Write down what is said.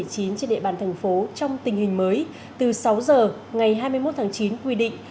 trên địa bàn thành phố trong tình hình mới từ sáu giờ ngày hai mươi một tháng chín quy định